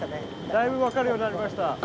だいぶ分かるようになりました。